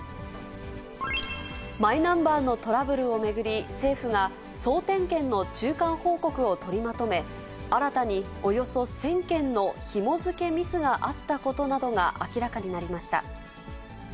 マイナンバーのトラブルを巡り、政府が総点検の中間報告を取りまとめ、新たにおよそ１０００件のひも付けミスがあったことなどが明らかになりました。